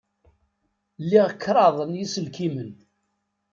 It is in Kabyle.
Liɣ kraḍ n yiselkimen.